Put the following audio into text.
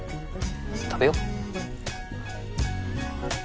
食べよう。